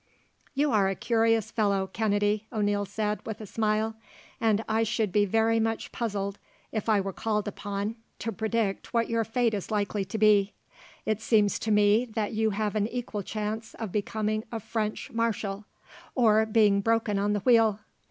"You are a curious fellow, Kennedy," O'Neil said, with a smile, "and I should be very much puzzled if I were called upon to predict what your fate is likely to be. It seems to me that you have an equal chance of becoming a French marshal, or being broken on the wheel.